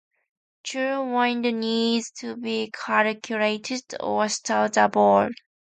True wind needs to be calculated or stop the boat.